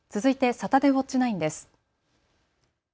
サタデーウオッチ９です。